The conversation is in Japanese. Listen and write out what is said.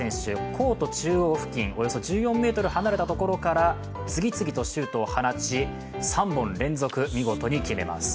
コート中央付近、およそ１４ｍ離れたところから次々とシュートを放ち３本連続、見事に決めます。